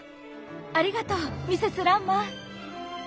ありがとうミセスランマン。